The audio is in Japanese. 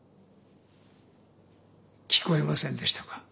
聞こえませんでしたか？